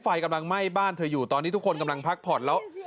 ไฟกำลังไหม้บ้านเธออยู่ตอนนี้ทุกคนกำลังพักผ่อนแล้ว